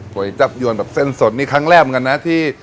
๋วยจับยวนแบบเส้นสดนี่ครั้งแรกเหมือนกันนะที่